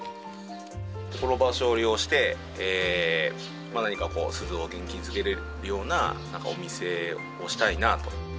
この場所を利用して、何かこう、珠洲を元気づけれるようななんかお店をしたいなと。